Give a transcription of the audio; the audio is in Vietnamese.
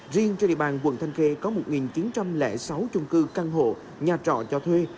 riêng trên địa bàn quận thanh kê có một chín trăm linh sáu chung cư căn hộ nhà trọ cho thuê